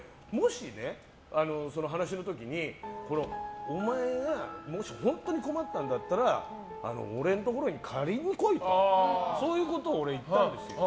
その話の時にお前がもし本当に困ったんだったら俺んところに借りに来いとそういうことを俺、言ったんですよ。